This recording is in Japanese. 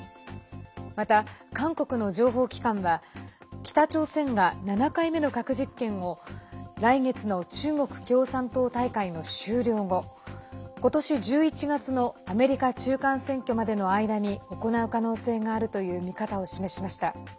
また、韓国の情報機関は北朝鮮が７回目の核実験を来月の中国共産党大会の終了後今年１１月のアメリカ中間選挙までの間に行う可能性があるという見方を示しました。